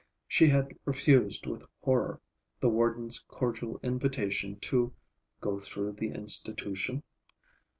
She had refused with horror the warden's cordial invitation to "go through the institution."